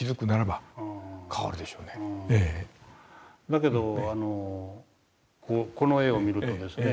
だけどこの絵を見るとですね